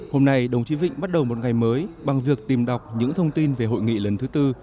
hôm nay đồng chí vịnh bắt đầu một ngày mới bằng việc tìm đọc những thông tin về hội nghị lần thứ tư